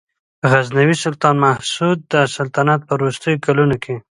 غزنوي سلطان مسعود د سلطنت په وروستیو کلونو کې.